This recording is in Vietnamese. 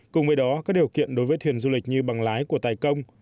cùng với đó các điều kiện đối với thuyền du lịch như bằng lái của tài công